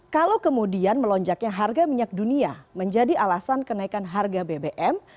kalau kemudian melonjaknya harga minyak dunia menjadi alasan kenaikan harga bbm